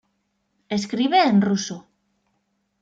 Escribe en ruso.